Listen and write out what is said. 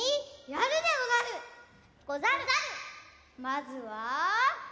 まずは「子」！